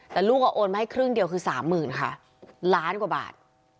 แต่ลูกก็โอนมาให้ครึ่งเดียวคือสามหมื่นค่ะล้านกว่าบาท